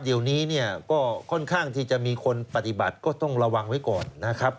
เดี๋ยวนี้เนี่ยก็ค่อนข้างที่จะมีคนปฏิบัติก็ต้องระวังไว้ก่อนนะครับ